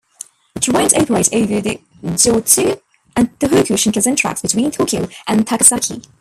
Trains operate over the Joetsu and Tohoku Shinkansen tracks between Tokyo and Takasaki.